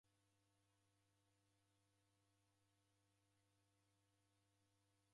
Ela diwiandikie barua